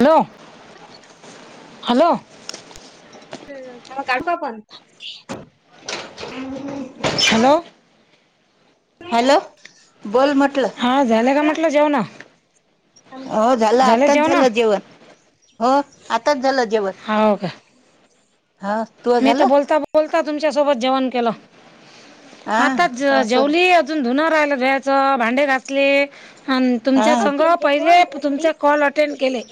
Hello ह hello तेव काढतो आपण हॅलो हॅलो बोल म्ह हा झालं का म्हटलं जेवणा हो झालं आताच झालं जेवण हो आताच झालं जेवण हो का हा तुझ मी तर झालं बोलता बोलता तुमच्या सोबत जेवण के हा आता असं जेवली अजून ुन राहिला ज भांडे घासले आणि हा तुमच्या संग्रह पहिले तुमचे कॉल अटेंड केले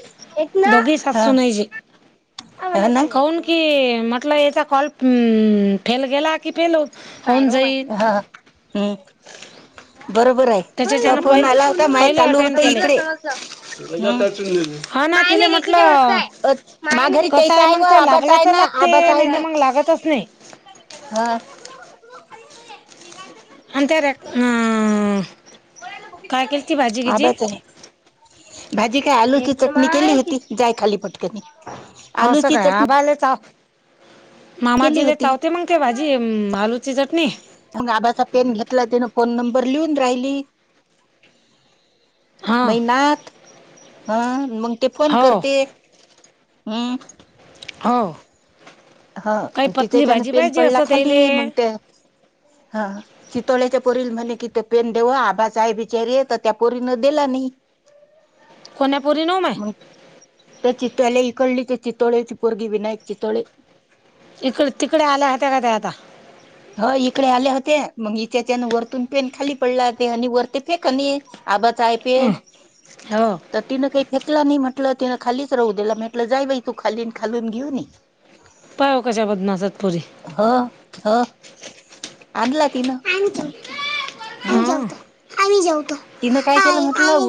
दोघी हा सासूजे ह ना काऊन की म्हटलं याचा कॉल फेल गेला कि फेल हो होऊन जाईल हा हम्म बरोबर आहे तो त्याच्याच्यान फोन पहि आला होता माय पहिले चालू होत अटेंड केले इकडे हम्म हा ना तिला म्हटलं माघारी कस त्यायचा आहे व मग तो आबाचा लागला आहे त ना ते आबाचा आहे नाही तर ना मग लागतच नाही हा अंत रेक् आबाच आहे भाजी काय आलूची चटणी केली होती जाय खाली पटक्यानी असं आलूची काय चटणी आबाले चाव केली मामाजीले होती चावते मगते भाजी आलूची चटणी मग आबाचा पेन घेतला तिं फोन नंब बरलिहून राहिली हा मैनात हा मंग ते फोन हो करते हम्म [unintelligible] [inaudible] हो [inaudible] [unintelligible] हा काही तिथे पतली त्यान भाजी पेन पाहिजे पडला असं खाली त्याले मग त्या [unintelligible] [inaudible] [unintelligible] [inaudible] हा चितोळ्याच्या पोरीला म्हणे किथ पेन देव आबाचा आहे बिचारी आहे तर त्या पोरीन दिला नाही [unintelligible] [inaudible] कोण्याप नऊमे [inaudible] मग [unintelligible] त्या चित्ल्या इकडली त्या चितोळे ति पोरगी विनायक चितोळे इकडे तिकडे आल्या होत्या का त्या आता ह इकडे आल्या होते्या मग हच्याच्यान वरतून पेन खाली पडला होते आणि वर ते फेकणी आबाचय पे हं, हो त तिन काही फे- - तला नाही म्हटलं तिनं खालीच राहू दला म्हंटलं जाई बाई तू खाली खालून घेऊन ये. पाय कशा बदनासातपुरी ह ह आणला तीन. [unintelligible] हम् [unintelligible] [inaudible] [unintelligible] [inaudible] आ जाऊत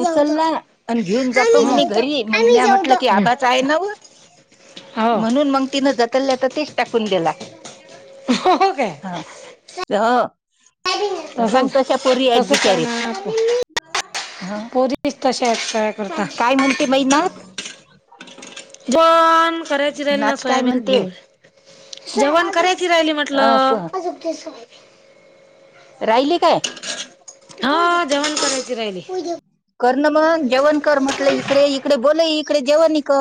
उचलला आणि घेऊन आ जातो म्हणे जात घरी मग आमही म्या जाऊत म्हटलं की [unintelligible] [inaudible] ह आबाच आहे ना व [unintelligible] [inaudible] म्हणून मग तिनं जात तेष्टा कुून देला हो काय हा ह सांग कशा पोरी तसच आहेत तस का बिचारी नात ह पस [unintelligible] [inaudible] तश आहेत काय करता काय म्हणते बाई नात बन [unintelligible] [inaudible] करायच राहिल ना नात काय सोयाबीन म्हणते बर जेवण करायची राहिली अस म्हटलंज राहिली काय हा जेवण करायची राहिली कर ना मग जेवणकर म्हटलं इकडे इकडे बोय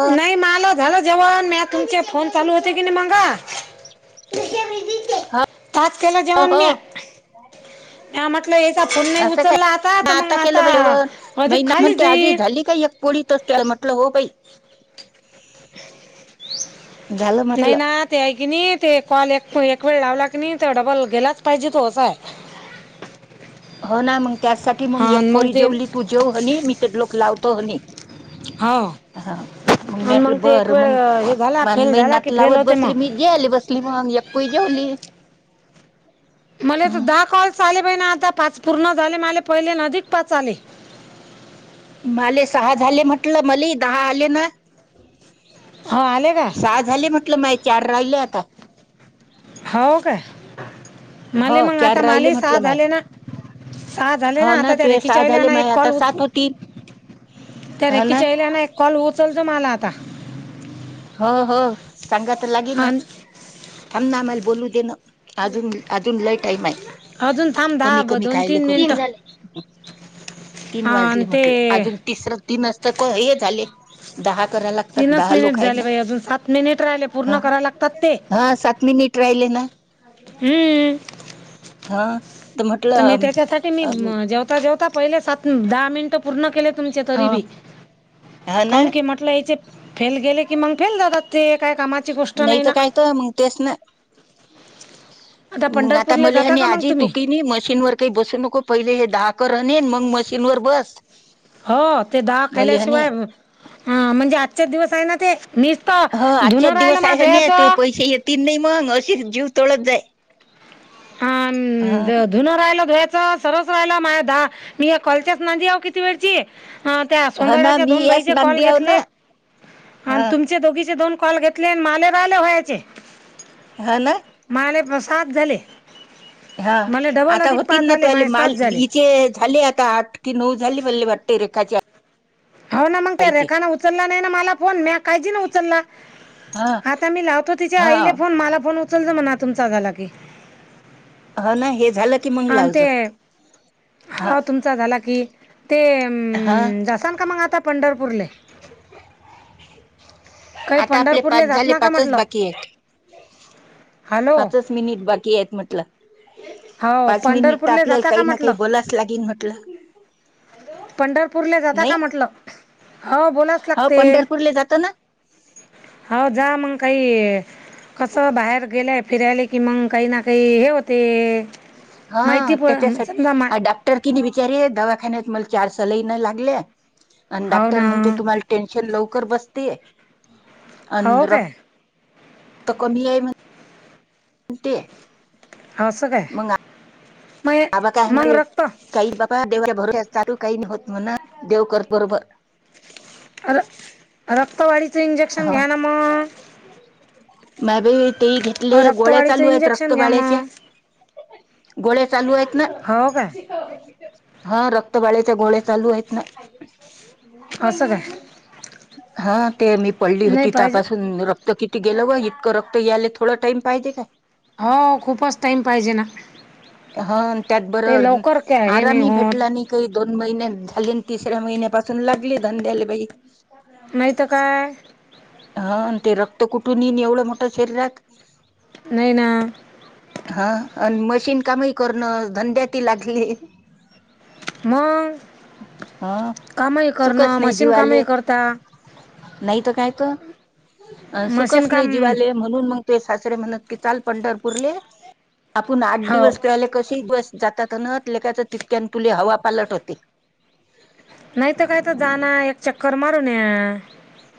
नाही मला झालं जेव म्या [unintelligible] [inaudible] तुमचे फोन चालू होते की नाही मगा [unintelligible] [inaudible] पाच केला हो जेवण म हो [unintelligible] [inaudible] या म्हटलं याचा फोन नाही असं काय उचलला आता म तर मंग केलं आता बाई जेवण अधिक खाली जाई ोडी तर त्या मतलब होई [unintelligible] [inaudible] झालं म्हटलं नाहीय ना तेय कनी [inaudible] [unintelligible] ते कॉल एक एक वेळ लावला की नही डबल गेलाच पाहिजे तो असायं. होना मग त्यासाठी मग एक पोरी जेवली तू जेव हनी मी ते लोक लावतो हनी. हो [inaudible] हा मग मी आणि आटलं ते एक बर मग वेळ हे झाला मा फेल झाला महिनात की फेल लावत होते बसली. मी मग जे आले बसली. होम अप जेवली [unintelligible] मला तर हम्म दहा कॉल चाले. महिना आता पाच पूर्ण झाले माले पहिले अधिक पाच आले. [inaudible] मले सहा झाले म्हटलं मल दहा आले ना. हो आले का सहा झाले म्हटलं माय चार राहिल आता. [unintelligible] [inaudible] हो का. हो मले मंग चार आता, राहिले मला साहा म्हटलं माय झाले ना. सा झाले ना हो आता त्या तुझे रेकीच्या सहा आईने झाले ना एक माय कॉल आता उच सात - होतील - त्या हो ना रेकीच्याहिल्याना एक कॉल उचलत मला आता. हो, हो. सांगा तर लागेन. आणि थांबनामल बोलू देण अजून अजून लय टाईम हाय. अजून थांब कमी दहा कमी दोन खायले तीन ख ती [unintelligible] मिनटं तीन आणि वाजली म्हटल ते अजून तिसरं तीन असत हे झाले दहा - - करा लागतात. तीनच धा मिनिट लोकं झाले हयना. बाई अजून सात मिनिट राहिले पूर्ण करा लागतात ते [unintelligible] ट राहिले ना. हम्म हा. तर मी त्याच्यासाठी मी जेवता जेवता पहिले सात दहा - - मिनट पूर्ण केले तुम ह तरी बी ह ना कीन के म्हटलं याचे - - फेल गेले की मग फेल जातात ते काय कामा - - नाही तर कायत मग तेच ना. मग आता पंढरपूरला जाता मलेनी का मग आजी तुम्ही तुकी मशीनवर काही बसू नको. पहिले हे धाकर आणनेन मग मशीनवरर बस. हो ते दहा मले हने केल्याशिवाय म्हणजे आजचेच दिवस हाय ना ते. नसत ह धुन राहिल माझं धुयाचं. तीन नाही मग अशी जीव तोळत जाई. हा धुन राहिल सरवस राहिला माझ दा मी कॉलच्यास नांदी आव किती वेळची. ह त्या ह ना सोनंदड्याच्या मी दोन याच बाईचे कॉल नांदी आव ना घेतले ह आणि तुमचे दोघीचे दोन. कॉल घेतले माले राहिले व्हायचे. हाना. माले प- सात झाले. हा. मला डबल आता अधिक होतील पाच ना आले त माये सात माल झाले इचे - - झाले आता आठ की नऊ झाले म्हल्ले वाटते रेखाची. हो ना. मग त्या रेखाने उचलला नाही ना मला फोन म काजी ना उचलला. हा आता मी लावतो तिचे हा आईले फोन मला फोन उचलतो म्हणा तुमचा झाला की. हो ना हे झालं की मग अ ते लावजो हा तुमचा झाला की. ते हा जसान का मग आता पंढरपूरले? काही आता आपले पाच पंढरपूरले जात झाले ना का पाचच म्हटलं बाकी आहेत. हॅलो पाचच मिनिट बाकी आहेत म्हटलं. हो पाच मिनिट तर पंढरपूरले आपल्याला जाता का काही ना म्हटलं? काही बोलाच लागेल म्हटलं पंढरपूर ला जाता नाही का म्हटल? हो बोलाच हो लागते. पंढरपूरला जातो ना हो. जा मंग काही कस बाहेर गेलेय फिरायला. कि मग काही ना काही हे होते. हा माहिती पण समजा मा त्याच्यासाठी डॉक्टर कि नाही विचारी दवाखान्यात मला चार सलईन लागल्या. आणि हो डाक्टर ना म्हणते तुम्हाला टेन्शन लवकर बसतेय. अंद हो र काय आता कमी आहे म्ह. ते. असस का. बाबा काय काही बाबा देव भर. चालू काही नाही होत म्हणा देवकर बरोबर. रक्तवाढीचं इंजेक्शन घ्या ना मग. माभई तेही अ, घेतले गोळ्या रक्तवाढीचं चालू आहेत रक्त इंजेक्शन घ्या बाळ्याचे. मग गोळ्या चालू आहेत ना. हो काय हा रक्त बाळेच्या गोळ्या चालू आहेत ना. असं काय हा ते मी पडली नाही होती पाहिजे त्यापासून. तर किती गेलं ग इतकं रक्त याय थोडा टाम पाहिजे काय. हो खूपच टाइम पाहिजे ना. हा त्यात ते बरबर लवकर काय हे नाही आरामी भेटला होत नाही काही. दोन महिन्या झाले आणि तिसऱ्या महिन्यापासून लागली धंद्याला बाई. माहत काय. हा ते रक्त कुटून एवढं मोठं शरीरात. नाही ना हा आणि मजा न कामही करण धंद्या त लागली. मग हा कामही सुखच करणं नाही मशीन कामही जीवाले करता. नाही तर काय त. अ मशीन सुखस नाही काम जीवाले म्हणून मग ते सासरे म्हणत की चाल पंढरपूरले. आपण आठ हो दिवस पळाला कसे बस. जातात नत लेकायच तितक्या तुले हवा पालट होते नाहीत काय तर जाण एक चक्कर मारून या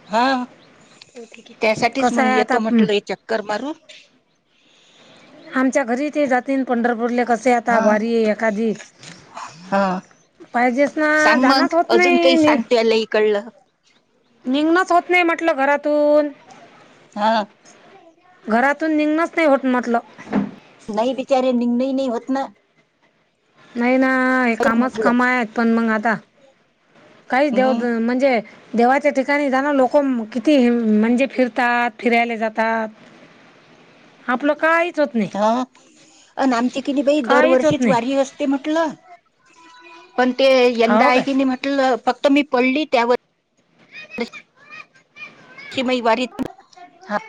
हा त्यासाठीच कसं मग आहे आता येतो हं, म्हटलं चक्कर मारून आमच्या घरी ते जातीलन पंढरपूरले कसे आता हा वारी आहे एखादी हा पाहिजेच ना सांग जाणच मग होत अजून नाही काही मी सांग त्याला इकडलं निघणच होत नाही म्हटलं घरातून हा निघनच नाही होत म्हटलं नाही बिचारे निघन नाही होत ना नाही ना हे तेच कामच म्हटलं कामा आहेत पण मग आता काही देऊ हम्म म्हणजे देवाच्या ठिकाणी जाण लोक किती म्हणजे फिरतात फिरायला जातात आपलं काय हा आणि आमची कि नाही बाई काहीच होत दरवर्षीच नाही वारी असते म्हटलं पण ते यंदा हो आहे काय की नाही म्हटलं फक्त मी पडली त्यावर कि म वारीत ह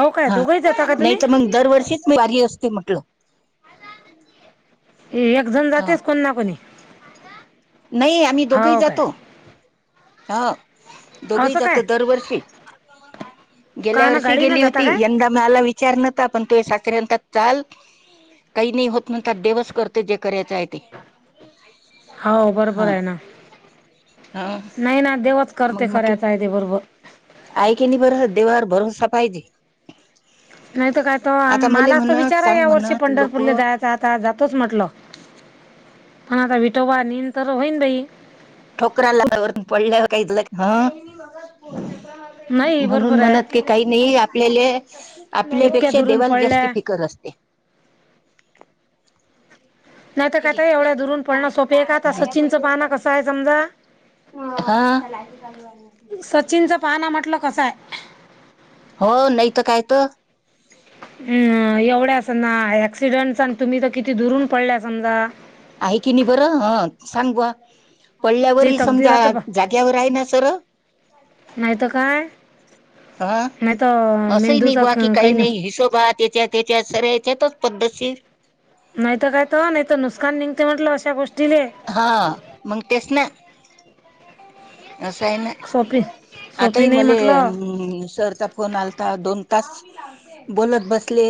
हो काय हा दोघंही जाता का नाही तुम्ही तर मग दरवर्षी म व्य असते म्हटलं एक जण हा जातेच कोणी ना कोणी नाही आमही दोघेही हो काय जातो हा दोघंही असं जात काय दरवर्षी गेल्या का ना वर्षी गाडी ना गेली जाता होती काय यंदा माला विचार विचार नव्हता पण तू ये सासरे म्हणतात चाल काही नाही होत म्हणतात देवस करते जे करायचं आहे ते हो बरोबर हा आहे ना हा नाही ना देवच करते मग म्हटलं करायच आहे ते बरोबर आहे कि नाही बर देवावर भरवसा पायजे नाहीत काय त मला अस म्हणत विचार आहे सांग या वर्षी म्हणत लोक पंढरपूरला जायच आता जातोच म्हटलं हो तर विठोबा नेईन तर होईन बाई ठोकऱ्याला त्या वर पडलं काही ह नाही म्हणून बरोबर म्हणत की आहे काही नाही आपल्याले इतक्या आपल्यापेक्षा दुरून देवाला जास्त पडल्या फिकर असते नाहीत कायताय एवढ्या दुरून पडणं सोप आहे का आता सचिनचं पाना कसं आहे समजा हा सचिनच पाहना म्हटलं कसय हो नाही तर कायत अम् एवढ्यास ना ऍक्सिडेंट आणि तुम्ही तर किती दुरून पडल्या समजा आहे की नाही बरं हं सांग बा जे पडल्यावरही समजा तकदीराचं जाग्यावर आहे ना सर नाहीत काय हा नाही तर असंही नाही मेंदूचा बा की क- काही नस नाही हिशोबात य त्याच्या सर याच्यातच पद्धतशीर नाहीत काय त नाहीत नुकसान निघते म्हटलं अशा गोष्टी हा मग तेच ना हम असं आहे ना आता ह नाही मले म्हटलं सरचा फोन आलाता दोन तास बोलत बसले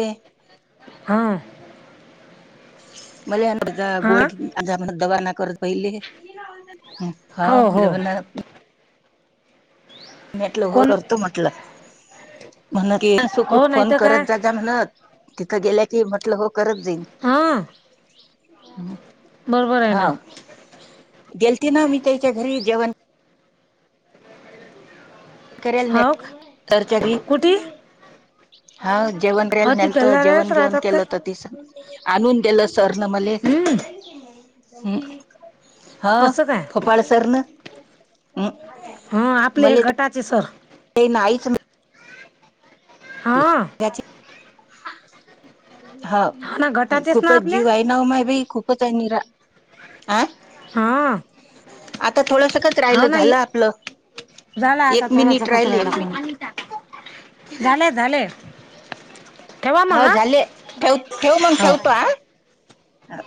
हां मले हां गोळ्या आण दवाखा ना कर पहिले हा हो हो म्हजे म्ह म्हटलं घोर कोण करतो म्हणत हो सुखरूप नाही फोन तर काय करत जा जा म्हणत तिथं गेल्या की म्हटलं हो करत देईन हां बरोबर आहे ना हा गेलती ना मी त्याच्या घरी जेवण केल हो का नाही तरचरी कुठे हा जेवण राहिल हो ती नलत जेवण तेलाऱ्याच घेऊन राहतात का केलं होत तिस आणून दिलं सरन मला हम्म ह हा असं काय फोपाळसर न हां आपले हे मले गटाचे सर ते नाहीच हां त्याची हा ना गटाचेच ना खूपच जीव आहे नाव मा बाई खूपच आहे निरा आ हा आता थोडस काच राहिलं झालं आपलं. झाला आता एक मिनिट थोडासकच राहिल रायला. एक मिनिट झाले, झाले ठेवा मग हो हा झाले ठेव ठेव मग हो ठेवतो ह हा